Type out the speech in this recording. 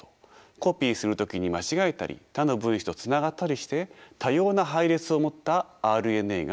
コピーする時に間違えたり他の分子とつながったりして多様な配列を持ったＲＮＡが作られます。